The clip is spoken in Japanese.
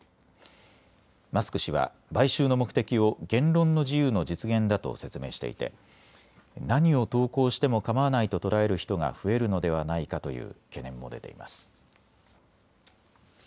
マスク氏は買収の目的を言論の自由の実現だと説明していて何を投稿してもかまわないと捉える人が増えるのではないかという懸念も出ています。